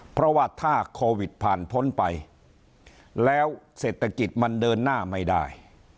เพราะว่าถ้าโควิดผ่านพ้นไปแล้วเศรษฐกิจมันเดินหน้าไม่ได้